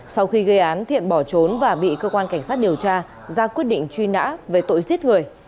sau khi gây án thiện bỏ trốn và bị cơ quan cảnh sát điều tra ra quyết định truy nã về tội giết người